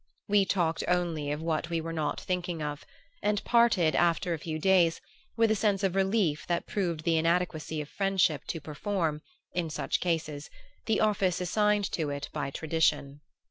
We talked only of what we were not thinking of, and parted, after a few days, with a sense of relief that proved the inadequacy of friendship to perform, in such cases, the office assigned to it by tradition.